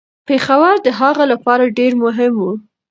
پېښور د هغه لپاره ډیر مهم و.